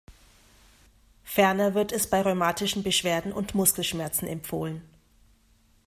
Ferner wird es bei rheumatischen Beschwerden und Muskelschmerzen empfohlen.